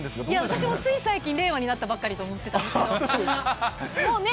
私もつい最近、令和になったばかりと思ってたんですけど。